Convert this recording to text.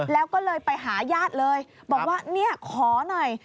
แล้วก็เลยไปหาญาติเลยบอกว่าเนี่ยขอหน่อย